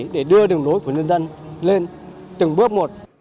để đưa đường đối của nhân dân lên từng bước một